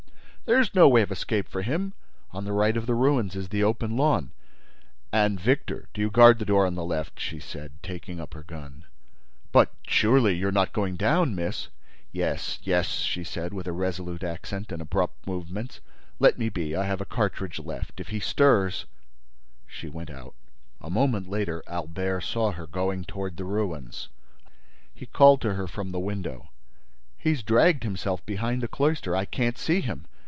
"There's no way of escape for him. On the right of the ruins is the open lawn—" "And, Victor, do you guard the door, on the left," she said, taking up her gun. "But, surely, you are not going down, miss?" "Yes, yes," she said, with a resolute accent and abrupt movements; "let me be—I have a cartridge left—If he stirs—" She went out. A moment later, Albert saw her going toward the ruins. He called to her from the window: "He's dragged himself behind the cloister. I can't see him.